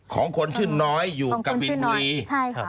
ของคนชื่อน้อยอยู่กับวินบุรี